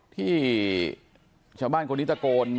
ที่ชาวบ้านคนนี้ตะโกน